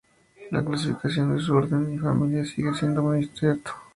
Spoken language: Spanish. La clasificación de su Orden y familia sigue siendo muy incierto.